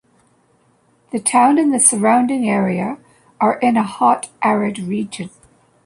The town and the surrounding area are in a hot, arid region.